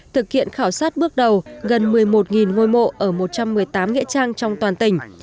thực hiện khảo sát bước đầu gần một mươi một ngôi mộ ở một trăm một mươi tám nghĩa trang trong toàn tỉnh